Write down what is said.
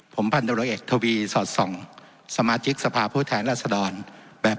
ผมพันธุรเอกทวีสอดส่องสมาชิกสภาพผู้แทนรัศดรแบบ